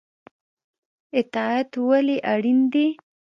اطاعت ولې اړین دی؟